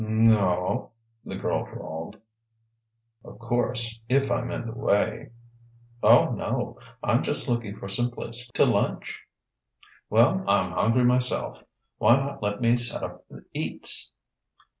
"No o," the girl drawled. "Of course, if I'm in the way " "Oh, no I'm just looking for some place to lunch." "Well, I'm hungry myself. Why not let me set up the eats?"